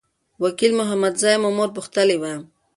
وکیل محمدزی مو مور پوښتلي وه.